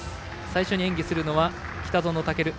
最初に演技するのは北園丈琉。